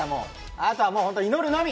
あとはもう祈るのみ。